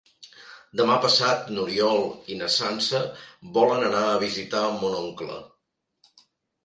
Demà passat n'Oriol i na Sança volen anar a visitar mon oncle.